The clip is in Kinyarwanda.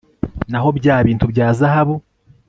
naho bya bintu bya zahabu